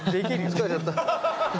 疲れちゃった。